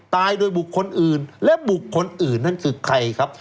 ตายโดยบุคคลอื่นและบุคคลอื่นนั่นคือใครครับ